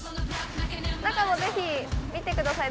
中もぜひ見て下さい。